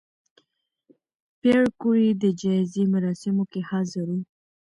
پېیر کوري د جایزې مراسمو کې حاضر و.